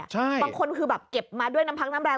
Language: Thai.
บางคนคือแบบเก็บมาด้วยน้ำพักน้ำแรง